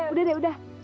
udah deh udah